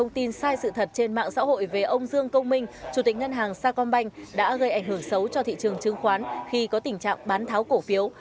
trả lời về ông dương công minh chủ tịch ngân hàng sa công banh đã gây ảnh hưởng xấu cho thị trường chứng khoán khi có tình trạng bán tháo cổ phiếu